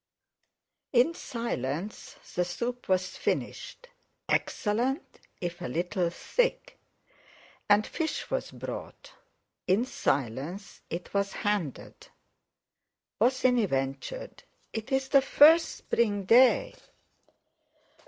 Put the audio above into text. In silence the soup was finished—excellent, if a little thick; and fish was brought. In silence it was handed. Bosinney ventured: "It's the first spring day."